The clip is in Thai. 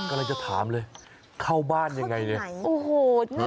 กำลังจะถามเลยเข้าบ้านอย่างไร